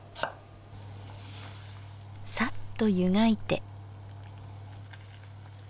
さっとゆがいて。